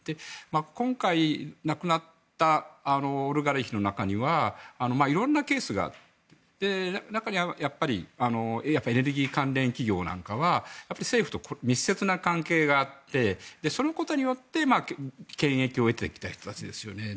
今回、亡くなったオリガルヒの中には色んなケースがあって中にはやっぱりエネルギー関連企業なんかは政府と密接な関係があってそのことによって権益を得てきた人たちですよね。